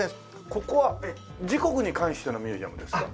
ここは時刻に関してのミュージアムですか？